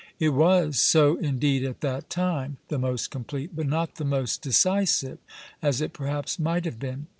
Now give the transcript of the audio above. It was so indeed at that time, the most complete, but not the most decisive, as it perhaps might have been.